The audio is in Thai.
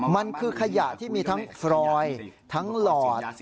มันคือขยะที่มีทั้งฟรอยทั้งหลอด